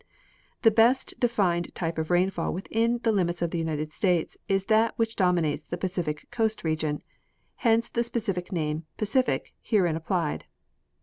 The best defined tj^pe of rainfall within the limits of the United States is that which dominates the Pacific coast region ; hence the specific name " Pacific " herein applied.